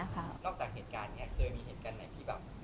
นอกจากเหตุการณ์เนี่ย